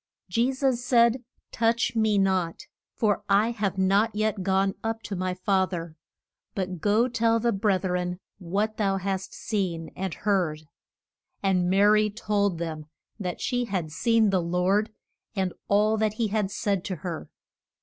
Je sus said, Touch me not, for I have not yet gone up to my Fa ther; but go tell the breth ren what thou hast seen and heard. And Ma ry told them that she had seen the Lord, and all that he had said to her.